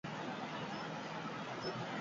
Ondoren Mila omentzeko izena eman zitzaion.